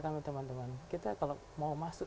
sama teman teman kita kalau mau masuk